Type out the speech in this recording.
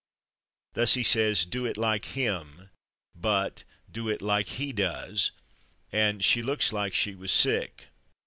Thus he says "do it like /him/," but "do it like /he/ does" and "she looks like /she/ was sick."